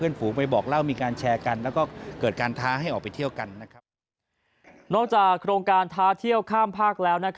นอกจากโครงการท้าเที่ยวข้ามภาคแล้ว